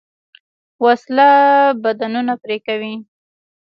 وسله بدنونه پرې کوي